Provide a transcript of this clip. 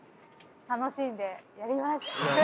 楽しんでやります！